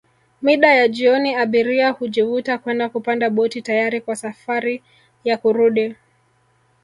Mida ya jioni abiria hujivuta kwenda kupanda boti tayari kwa safari ya kurudi